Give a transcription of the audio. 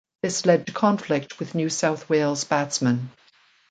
This led to conflict with New South Wales batsmen.